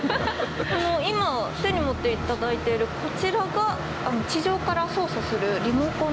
今手に持っていただいているこちらが地上から操作するリモコンのようなものなんですか？